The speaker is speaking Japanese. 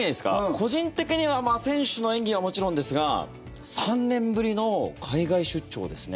個人的には選手の演技はもちろんですが３年ぶりの海外出張ですね